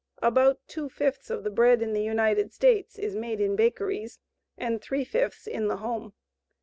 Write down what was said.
About two fifths of the bread in the United States is made in bakeries and three fifths in the home.